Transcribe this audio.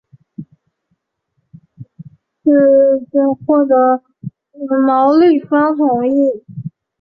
此议获得毛利方同意。